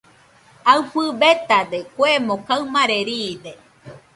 Aɨfɨ betade, kuemo kaɨmare riide.